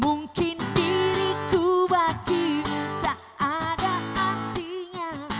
mungkin diriku bagimu tak ada artinya